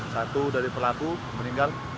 satu dari pelaku meninggal